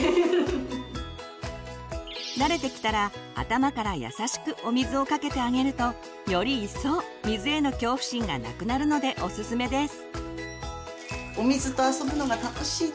慣れてきたら頭から優しくお水をかけてあげるとよりいっそう水への恐怖心がなくなるのでオススメです。